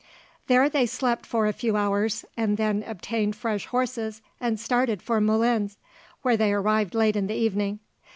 There they slept for a few hours, and then obtained fresh horses and started for Moulins, where they arrived late in the evening.